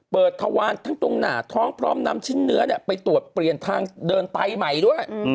ทวารทั้งตรงหน่าท้องพร้อมนำชิ้นเนื้อไปตรวจเปลี่ยนทางเดินไตใหม่ด้วย